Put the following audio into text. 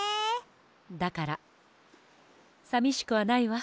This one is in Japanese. だからさみしくはないわ。